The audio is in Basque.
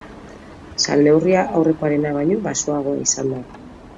Salneurria aurrekoarena baino baxuagoa izan da.